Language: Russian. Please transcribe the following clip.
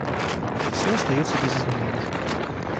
Все остается без изменений.